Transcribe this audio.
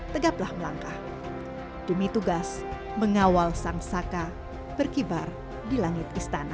tegaplah melangkah demi tugas mengawal sang saka berkibar di langit istana